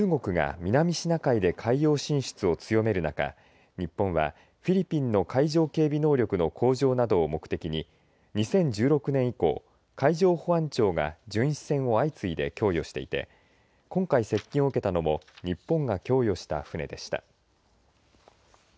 中国が南シナ海で海洋進出を強める中日本は、フィリピンの海上警備能力の向上などを目的に２０１６年以降海上保安庁が巡視船を相次いで供与していて今回、接近を受けたのも日本が供与した船でした。